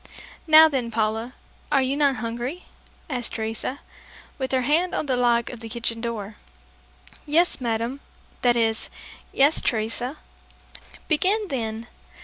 "Now then, Paula, are you not hungry?" asked Teresa with her hand on the lock of the kitchen door. "Yes, madame ... that is yes, Teresa." "Begin then!